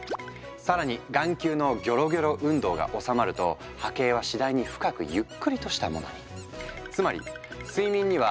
更に眼球のギョロギョロ運動が収まると波形は次第に深くゆっくりとしたものに。